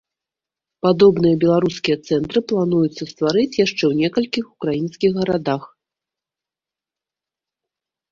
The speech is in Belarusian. Падобныя беларускія цэнтры плануецца стварыць яшчэ ў некалькіх украінскіх гарадах.